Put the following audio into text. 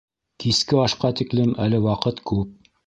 -Киске ашҡа тиклем әле ваҡыт күп.